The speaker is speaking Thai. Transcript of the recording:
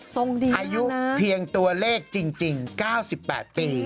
ทรงดีมากนะอายุเพียงตัวเลขจริง๙๘ปี